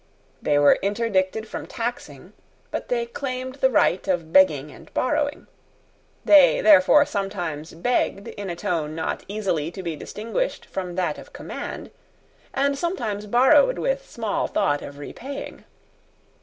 They were interdicted from taxing; but they claimed the right of begging and borrowing. They therefore sometimes begged in a tone not easily to be distinguished from that of command, and sometimes borrowed with small thought of repaying.